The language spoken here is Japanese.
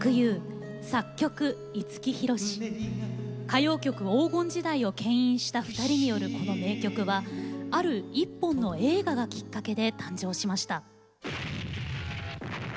歌謡曲黄金時代をけん引した２人によるこの名曲はある一本の映画がきっかけで誕生しました。